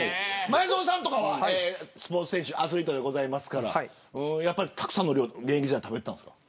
前園さんとかは、スポーツ選手アスリートですからたくさんの量を現役時代は食べたんですか。